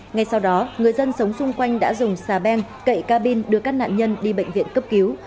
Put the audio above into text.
ngay sau đó người dân sống xung quanh đã dùng xà beng cậy cabin đưa các nạn nhân đi bệnh viện cấp cứu